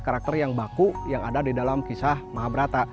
karakter yang baku yang ada di dalam kisah mahabrata